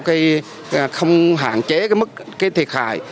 không hạn chế mức thiệt hại